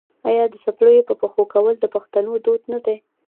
آیا د څپلیو په پښو کول د پښتنو دود نه دی؟